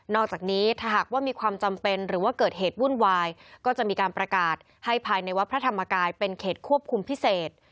อกจากนี้ถ้าหากว่ามีความจำเป็นหรือว่าเกิดเหตุวุ่นวายก็จะมีการประกาศให้ภายในวัดพระธรรมกายเป็นเขตควบคุมพิเศษ